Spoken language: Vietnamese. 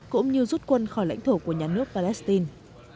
cũng như rút quân khỏi lãnh thổ của nhà nước palestine